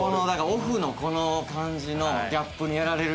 オフのこの感じのギャップにやられる人が。